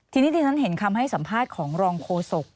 ทีนี้ที่ฉันเห็นคำให้สัมภาษณ์ของรองโฆษก